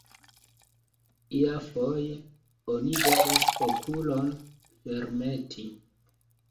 Iafoje oni devas okulon fermeti.